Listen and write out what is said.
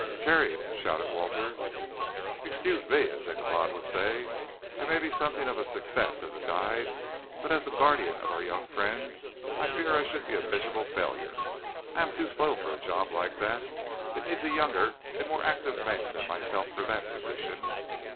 "Carried," shouted Walter. "Excuse me, as Ichabod would say. I may be something of a success as a guide, but as the guardian of our young friend I fear I should be a miserable failure. I am too slow for a job like that. It needs a younger and more active man than myself for that position."